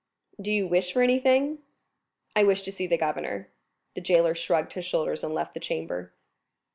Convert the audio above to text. "Do you wish for anything?" "I wish to see the governor." The jailer shrugged his shoulders and left the chamber.